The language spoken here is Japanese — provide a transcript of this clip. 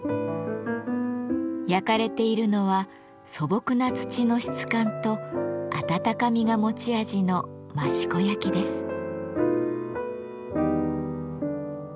焼かれているのは素朴な土の質感と温かみが持ち味の益子焼です。